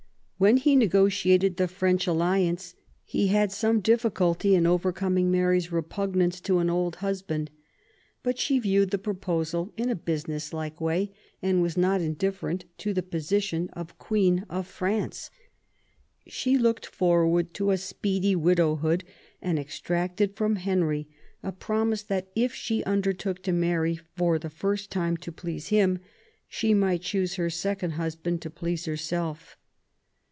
When he negotiated the French alliance he had some difficulty in overcoming Mary's repugnance to an old husband; but she viewed the proposal in a business like way, and was not indifferent to the position of Queen of France. She looked forward to a speedy widowhood, and extracted from Henry a promise that, if she undertook to marry for the first time to please him, she might choose her second husband to please herself.